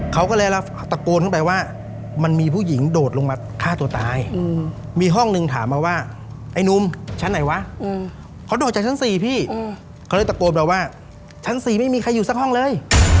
เขาก็เลยตะโกนเข้าไปว่ามันมีผู้หญิงโดดลงมาฆ่าตัวตายมีห้องหนึ่งถามมาว่าไอ้หนุ่มชั้นไหนวะเขาโดดจากชั้น๔พี่เขาเลยตะโกนเราว่าชั้น๔ไม่มีใครอยู่สักห้องเลย